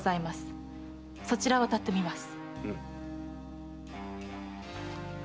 そちらを当たってみます。